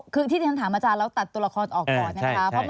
คือที่ท่านถามอาจารย์เราตัดตัวละครออกก่อนนะคะ